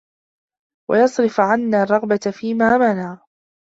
وَيَصْرِفَ عَنَّا الرَّغْبَةَ فِيمَا مَنَعَ